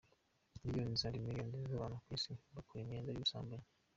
Millions and millions z’abantu ku isi, bakora icyaha cy’ubusambanyi.